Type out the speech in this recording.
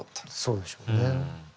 そうでしょうね。